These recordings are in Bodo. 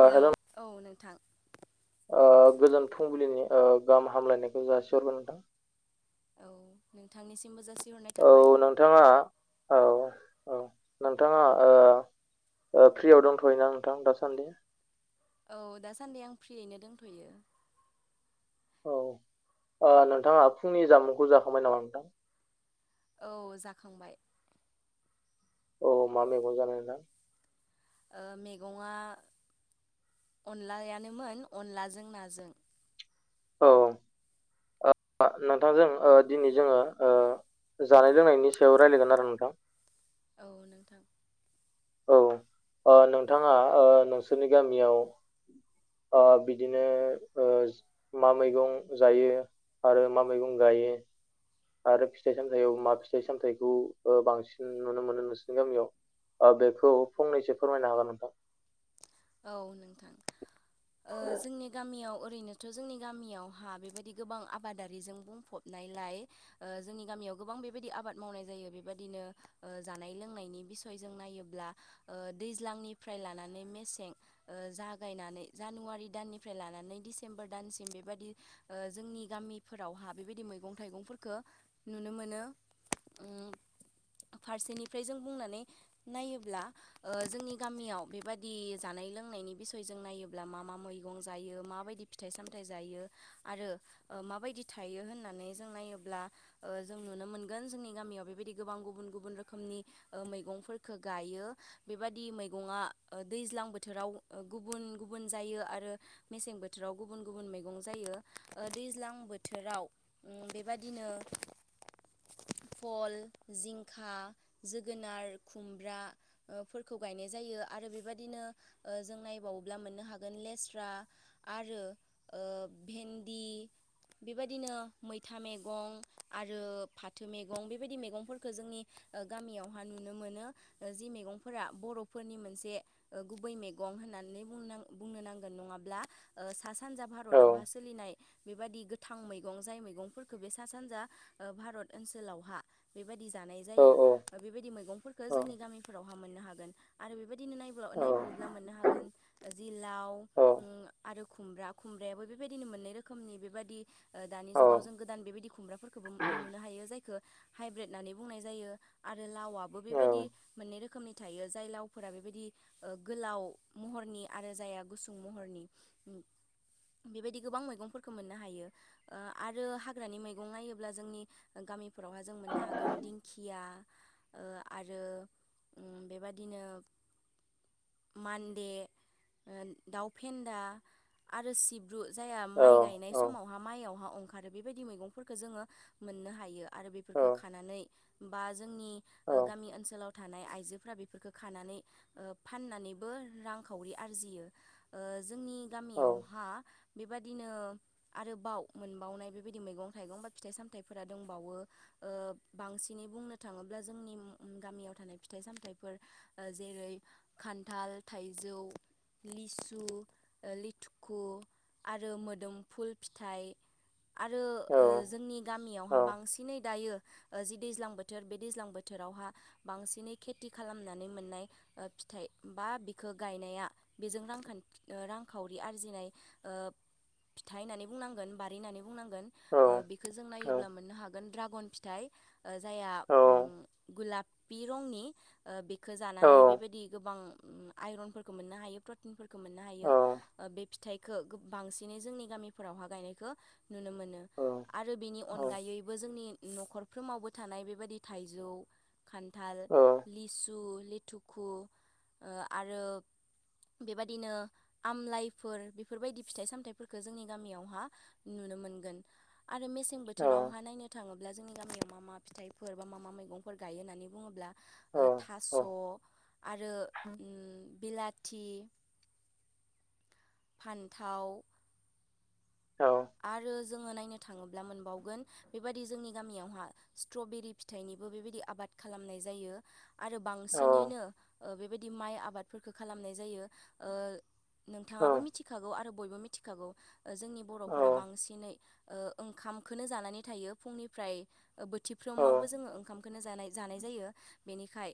हेल' औ नोंथां। गोजोन फुंबिलिनि गाहाम हामलायनायखौ जासिहरग नोंथां। औ नोंथांनिसिमबो जासि औ नोंथाङा औ औ नोंथाङा फ्रियाव दंथ'यो ना नोंथां दासान्दि? औ दासानदि आं फ्रियैनो दोनथ'यो। औ नोंथाङा फुंनि जामुंखौ जाखांबाय नामा नोंथां? औ जाखांबाय। औ मा मैगं जानाय नोंथां? ओ मैगंआ अनलायानोमोन अनलाजों नाजों। औ नोंथांजों दिनै जोङो जानाय लोंनायनि सायाव रायज्लायगोन आरो नोंथां? औ नोंथां। औ नोंथाङा नोंसोरनि गामियाव। बिदिनो मा मैगं जायो? आरो मा मैगं गायो? आरो फिथाइ सामथायाइाव मा फिथाइ सामथायाइखौ बांसिन नुनो मोनो नोंसनि गामियाव? ओ बेखौ फंनैसो फोरमायनो हागोन नोंथां। औव नोंथां ओ जोंनि गामियाव ओरैनोथ' जोंनि गामियावहा बेबायदि गोबां आबादारिजों बुंफबनायलाय ओ जोंनि गामियाव गोबां बेबायदि आबाद मावनाय जायो बेबायदिनो जानाय लोंनायनि बिसय जों नायोब्ला ओ दैज्लांनिफ्राय लानानै मेसें ओ जागायनानै जानुवारि दाननिफ्राय लानानै डिसेम्बर दानसिम बेबायदि ओ जोंनि जोंनि गामिफोरावहा बेबायदि मैगं थाइगंफोरखौ नुनो मोनो। उम [unintelligible] फारसेनिफ्राय जों बुंनानै नायोब्ला जोंनि ओ गामियाव बेबादि जानाय लोंनायनि बिसयजों नायोब्ला मा मा मैगं जायो माबायदि फिथाइ सामथायाइ जायो आरो माबायदि थायो होननानै जों नायोब्ला ओ जों नुनो मोनगोन जोंनि गामियाव बेबायदि गोबां गुबुन गुबुन रोखोमनि ओ मैगंफोरखौ गायो बेबादि मैगंआ ओ दैल्जां बोथोराव ओ गुबुन गुबुन जायो आरो मेसें बोथोराव गुबुन गुबुन मैगं जायो ओ दैज्लां बोथोराव ओम बेबादिनो [unintelligible] फल जिंखा जोगोनार खुमब्रा ओ फोरखौ गायनाय जायो आरो आरो बेबायदिनो ओ जों नायबावोब्ला मोननो हागोन लेस्रा आरो ओ भेन्दि बेबायदिनो मैथा मैगं आरो फाथो मैगं बेबायदि मैगंफोरखौ जोंनि गामियावहा नुनो मोनो जि मैगंफोरा बर'फोरनि मोनसे ओ गुबै मैगं होनानै बुनां बुंनोनांगोन नंङाब्ला ओ सा सानजा औ भारतावहा सोलिनाय बेबायदि गो थां मैगं जाय मैगंफोरखौ बे सा सानजा भारत ओनसोलावहा बे बालि जानाय औ जायो ओ बेबादि मैगंफोरखौ जोंनि गामिफोरावहा मोननो हागोन आरो बेबादिनो नागि औ नायबावोब्ला मोननो हागोन जि लाव ओम आरो खुमब्रा खुमब्रायाबो बेबायदिनो मोननै रोखोमनि बेबायदि ओ दानि औ जुगाव जों गोदान बेबायदि खुमब्राफोरखौ नुनो हायो जायखौ हाइब्रेट होननानै बुंनाय जायो। आरो लावआबो बेबायदि मोननै रोखोमनि थायो जाय लावफोरा बेबायदि ओ गोलाव महरनि आरो जायाहा गुसुं महरनि बेबायदि गोबां मैगंफोरखौ मोननो हायो ओ आरो हाग्रानि मैगं नायोब्ला जोंनि गामि फोरावहाय जों मोननो हागोन दिंखिया। ओ आरो ओम बेबादिनो मान्दे ओ दाउ फेन्दा आरो सिब सिब्रु जायाहा औ माइ गायनाय समावहा माइयावहा ओंखारो बेबायदि मैगंफोरखौ जोङो मोननो हायो। आरो बेफोरखो खानानै बा जोंनि औ ओ गामि ओनसोलाव थानाय आइजोफोरा बेफोरखौ खानानै ओ फाननानैबो रांखावरि आरजियो ओ जोंनि औ गामियावहा बेबदिनो आरो बाव मोनबावनाय बेबायदि मैगं थाइगं बा फिथाइ सामथायाइफोरा दंबावो ओ बांसिनै बुंनो थाङोब्ला जोंनि गामियाव थानाय फिथाइ सामथाइफोर जेरै खान्थाल थाइजौ लिसु लिथुखु आरो मोदोम फुल फिथाइ आरो औ ओ जोंनि औ गामियावहा बांसिनै दायो जि दैज्लां बोथोर बे दैज्लां बोथोरावहा बांसिनै खेथि खालामनानै मोननाय ओ फिथाइ बा बिखो गायनाया बेजों रांखान्थि रांखावरि आरजिनाय ओ फिथाइ होननानै बुंनांगोन बारि होननानै बुंनांगोन ओ औ बेखौ जों नायोब्ला औ मोननो हागोन ड्रागन फिथाइ जायहा औ औ औ ओम गुलाफि रंनि बेखौ जानानै बेबायदि गोबां आइनफोरखौ मोननो हायो प्रटिनफोरखौ मोननो हायो बे फिथाइखौ गोबांसिनै जोंनि गामिफोरावहा गायनायखौ नुनो मोनो। आरो औ बिनि अनगायैबो जोंनि न'खरफ्रोमावबो थानाय बेबायदि थाइजौ खान्थाल, लिसु, लिथुखु आरो बेबायदिनो आमलाइफोर बेफोरबायदि फिथाइ सामथाइफोरखौ जोंनि गामियावहा नु नुनोमोनगोन आरो मेसें बोथोरावहा नायनो थाङो अब्ला जोंनि गामियाव मा मा फिथाइफोर बा मा मा मैगंफोर गायो होननानै बुङोब्ला थास' आरो ओ बिलाथि फान्थाव आरो जोङो नायनो थाङोब्ला मोनबावगोन बेबायदि जोंनि गामियावहा स्ट्रबेरि फिथाइनिबो बेबायदि आबाद आबाद खालामनाय जायो आरो बांसिनैनो ओ बेबायदि माइ आबादफोरखौ खालामनाय जायो। ओ नोंथाङाबो मिथिखागौ आरो बयबो मिथिखागौ जोंनि बर' फोर बांसिनै ओंखामखौनो जानानै थायो फुंनिफ्राय ओ बोथिफ्रोमावबो जोङो ओंखामखौनो जानाय जानाय जायो बेनिखाय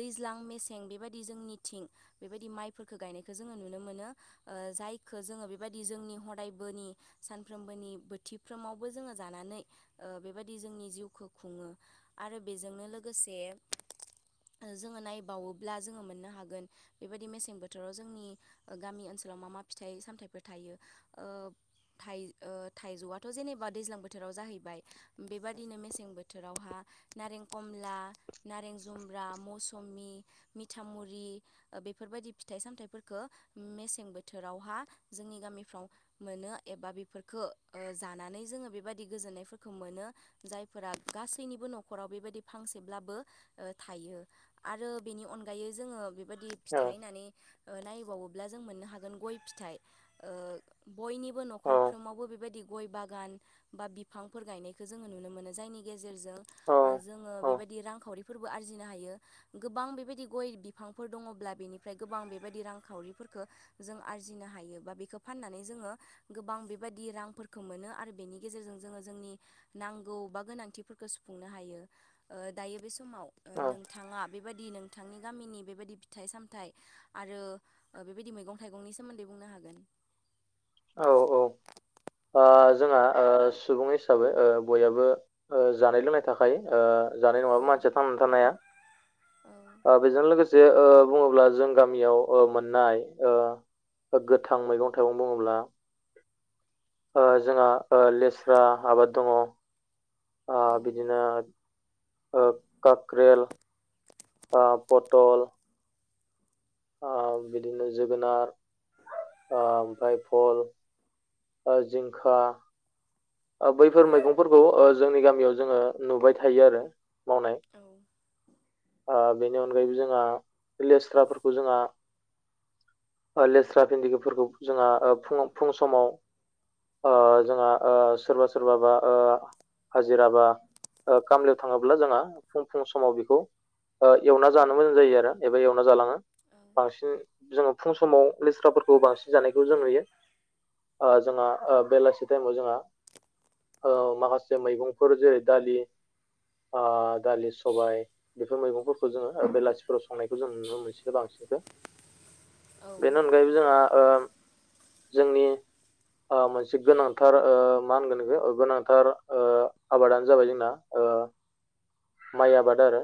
दैज्लां मे थिं बेबायदि जोंंनिथिं माइफोरखो गायनायखो जोङो नुनो मोनो ओ जायखो जोङो बेबाय जोंनि हदायबोनि सानफ्रोमबोनि बोथिफ्रोमावबो जोङो जानानै ओ बेबायदि जोंनि जिउखौ खुङो। आरो बेजोंनो लोगोसे ओ जोङो नायबावोब्ला जोङो मोननो हागोन बेबायदि मेसें बोथोराव ओ जोंनि गामि ओनसोलाव राव मा मा फिथाइ सामथायाइफोर थायो ओ थाइ ओ थाइजौआथ' जेनेबा दैज्लां बोथोराव जाहैबाय बेबादिनो मेसें बोथोरावहा नारें कमला नारें जुमब्रा मौसु समि मिथामुरि बेफोरबायदि फिथाइ सामथाइफोरखौ मेसें बोथोराव जोंनि गामिफ्राव मोन एबा बेफोरखौ ओ जानानै जोङो बेबायदि गोजोन्नायफोरखौ मोनो जायफोरा गासैनिबो बो न'खराव बेबायदि फांसेब्लाबो ओ थायो आरो बेनि अनगायै जोङो बेबायदि फिथाहोननानै ओ नायबावोब्ला जों मोननो हागोन गय फिथाइ ओ बयनिबो न' न'खरफ्रोमावबो बेबायदि गय बागान बा बिफांफोर गायनायखौ जोङो नुनो मोनो जायनि गेजे [unintelligible] जोङो बेबायदि रांखावरि फोरबो आरजिनो हायो गोबां बेबायदि गय बिफांफोर दङब्ला बेनिफ्राय गोबां बेबायदि रांखावरि जों आरजिनो हायो बा बेखौ फाननानै जोङो गोबां बेबायदि रांफोरखौ मोनो आरो बेनि गेजेरजों जोङो जोंनि नांगौ बा गोनांथिफोरखौ खुंनो हायो ओ दायो बे समाव नोंथाङा बेबायदि नोंथांनि गामिनि बेबायदि फिथाइ-सामथाइ आरो बेबायदि मैगं-थाइगंनि सोमोन्दै बुंनो हागोन औ औ ओ ओ जोंहा ओ सुबुं हिसाबै ओ बयहाबो जानाय लोंनाय थाखायो ओ जानाय नङाबा मानसिया थांनानै थानो हाया ओ बेजों लोगोसे जे ओ बुङोब्ला जों गामियाव ओ मोननाय ओ ओ गोथां मैगं-थाइगं बुङोब्ला ओ जोंहा ओ लेस्रा आबाद दङ। आ बिदिनो ओ कक्रेल ओ पटल ओ बिदिनो जोगोनार ओ ओमफ्राय फल ओ जिंखा ओ बैफोर मैगंफोरखौ जोंनि गामियाव जोङो नुबाय थायो आरो मावनाय ओ बेनि अनगायैबो जोंहा लेस्राफोर खौ जोंहा ओ लेस्रा भिन्दिगफोरखौ जोंहा फु-फुं समाव ओ जोंहा ओ सोरबा सोरबा बा ओ हाजिराबा ओ खामलायाव थाङोब्ला जोंहा फुं फुं समाव बेखौ ओ एवना जानो मोजां जायो आरो एबा एवना जालाङा बांसिन जोङो फुं समाव लेस्राफोरखौ बांसिन जानायखौ जों नुयो। ओ जोंङो ओ बेलासि टाइमाव जोंङो ओ माखासे मैगंफोर जेरै दालि दालि सबाय बेफोर मैगंफोरखौ जोङो बेलासिफोराव संनायखौ जों नुनो मोनसि बेनि अनगायैबो जोंहा ओ जोंनि ओ मोनसे गोनांथार ओ मा होनगोन बेखौ गोनांथार ओ आबादानो जाबाय जोंना ओ माइ आबाद आरो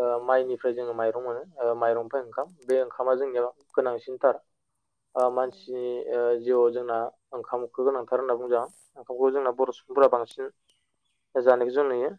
ओ माइनिफ्राय जोङो माइरं मोनो ओ माइरं फ्राय ओंखाम बे ओंखामा जोंनियाव गोनांसिनथार ओ मानसि ओ जिआव जोंना ओंखामखौ गोनांथार होनना बुंदों ओंखामखौ जोंना बर' सुबुंफोरा बांसिन जानायखौ जों नुयो।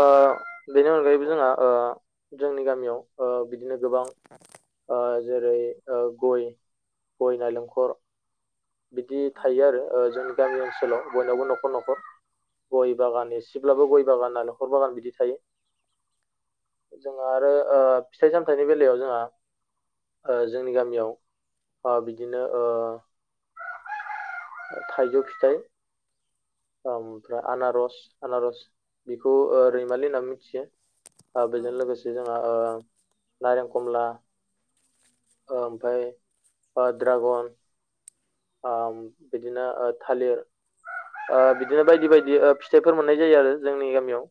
ओ बेनि अनगायैबो जोंहा ओ जोंनि गामियाव ओ बिदिनो गोबां ओ जेरै ओ गय गय नालेंखर बिदि थायो आरो ओ जोंनि गामि ओनसोलाव बयनावबो न'खर न'खर गय बागान एसेब्लाबो गय बागाना न'खर बागान बिदि थायो। जों आरो ओ फिथाइ सामथाइनि बेलायाव जोंहा ओ जोंनि गामियाव ओ बिदिनो ओ थाइजौ फिथाइ ओमफ्राय आनारस आनारस बेखौ ओ रैमालि होनना मिथियो ओ बेजों लोगोसे जोंहा ओ नारें खमला ओमफ्राय ओ द्रागन ओ बिदिनो थालिर ओ बिदिनो बायदि बायदि ओ फिथाइफोर मोननाय जायो आरो जोंनि गामियाव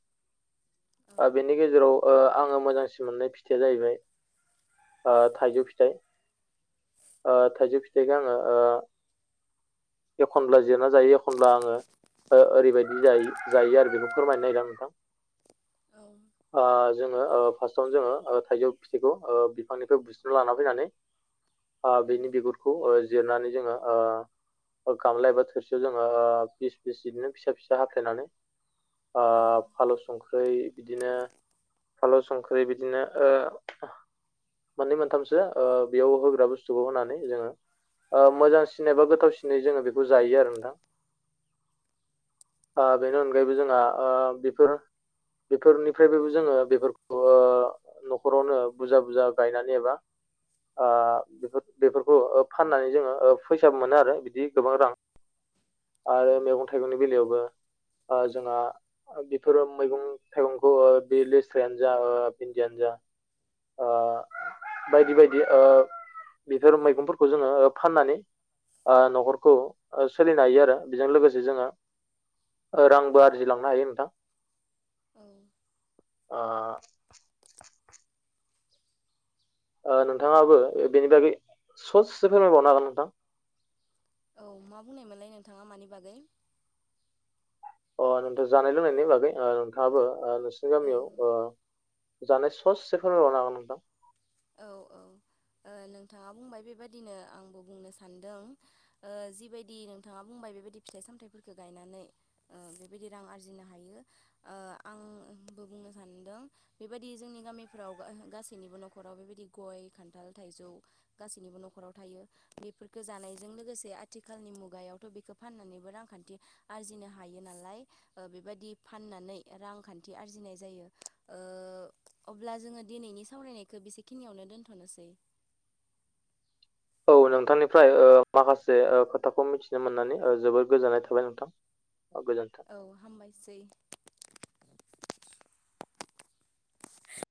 आरो बेनि गेजेराव ओ आङो मोजांसिन मोननाय फिथाइया जाहैबाय ओ थाइजौ फिथाइ ओ थाइजौ फिथाइखौ आङो ओ एखनब्ला जेरना जायो एखनब्ला आङो ओ ओरैबायदि जायो जायो आरो बेखौ फोरमायनो नागिरदों नोंथां। ओ जोङो ओ फार्स्टआवनो जोङो ओ थाइजौ फिथाइखौ ओ बिफांनिफ्राय बुस्रिना लाना फैनानै ओ बिनि बिगुरखौ ओ जिरनानै जोङो ओ गामला एबा थोरसियाव जोङो ओ फिस फिस बिदिनो फिसा फिसा हाफ्लेनानै ओ फालौ संख्रै बिदिनो फालौ संख्रि बिदिनो ओ मोननै मोनथामसो ओ बेयाव होग्रा बुस्थुखौ होनानै जोङो ओ मोजांसिन सिनायबा गोथावसिनै जोङो बेखौ जायो आरो नोंथां ओ बेनि अनगायैबो जोंहा ओ बेफोर बेफोरनिफ्रायबोबो जोङो बेफोरखौ ओ न'खरावनो बुरजा बुरजा गायनानै एबा ओ बेफोरखौ फाननानै जोङो ओ फैसाबो मोनो आरो बिदि गोबां रां आरो मैगं थाइगंनि बेलायावबो ओ जोंहा ओ बेफोरो मैगं थाइगंखौ ओ बे लेस्रायानो जा भिन्दियानो जा ओ बायदि बायदि ओ बिफोर मैगंफोरखौ जोङो फाननानै ओ न'खरखौ ओ सोलिनो हायो आरो बेजों लोगोसे जोङो रांबो आरजिलांनो हायो नोंथां। ओ ओ नोंथाङाबो बेनि बागै सससे फोरमायबावनो हागोन नोंथां? औ मा बुंनायमोनलाय नोंथाङा मानि बागै? अ नोंथ' जानाय लोंनायनि बागै ओ नोंथाङाबो ओ नोंसोरनि औ गामियाव ओ जानाय सससे फोरमायबावनो हागोन नोंथां? औ औ। ओ नोंथाङा बुंबाय बेबादिनो आंबो बुंनो सान्दों ओ जिबायदि नोंथाङा बुंबाय बेबायदि फिथाइ सामथाइफोरखौ गायनानै ओ बेबायदि रां आरजिनो हायो ओ आं बो बुंनो सानदों बेबायदि जोंनि गामिफ्राव गा-गासैनिबो न'ख खराव बेबायदि गय खान्थाल थाइजौ गासैनिबो न'खराव थायो बिफोरखो जानायजों लोगोसे आथिखालनि मुगायावथ' बेखो फाननानैबो रांखान्थि आरजिनो हायो नालाय ओ बेबायदि फा फाननानै रांखान्थि आरजिनाय जायो ओ अब्ला जोङो दिनैनि सावरायनाय बिसे खिनियावनो दोनथ'नोसै। औ नोंथांनिफ्राय ओ माखासे ओ खोथाखौ मिथिनो मोननानै ओ जोबोद गोजोननाय थाबाय नोंथां। गोजोन्थों औ हामबायसै।